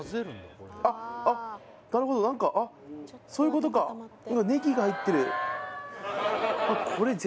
あっあっなるほど何かあっそういうことかネギが入ってる！